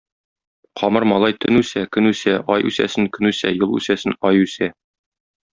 Камыр малай төн үсә, көн үсә, ай үсәсен көн үсә, ел үсәсен ай үсә.